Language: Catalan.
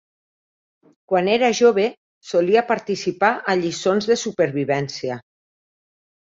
Quan era jove, solia participar a lliçons de supervivència.